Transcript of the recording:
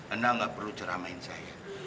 anda nggak perlu ceramahin saya